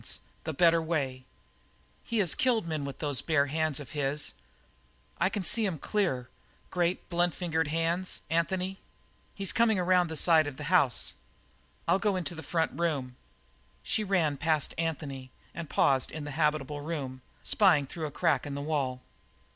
"Bare hands the better way!" "He has killed men with those bare hands of his. I can see 'em clear great, blunt fingered hands, Anthony. He's coming around the side of the house. I'll go into the front room." She ran past Anthony and paused in the habitable room, spying through a crack in the wall.